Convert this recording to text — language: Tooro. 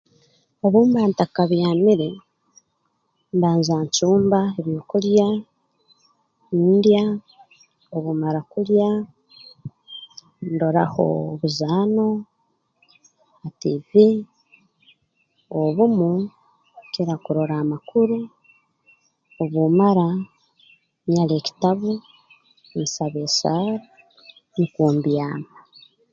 Obu mba ntakabyamire mbanza ncumba ebyokulya ndya obu mmara kulya ndoraho obuzaano ha tiivi obumu nkira kurora amakuru obu mmara nyara ekitabu nsaba esaara nukwo mbyama